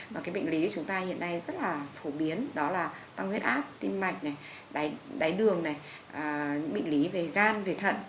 và cái bệnh lý chúng ta hiện nay rất là phổ biến đó là tăng huyết áp tim mạch đáy đường bệnh lý về gan về thận